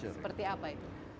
seperti apa itu